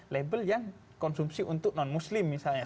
label yang konsumsi untuk non muslim misalnya